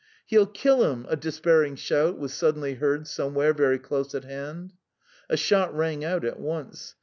"He'll kill him!" A despairing shout was suddenly heard somewhere very close at hand. A shot rang out at once.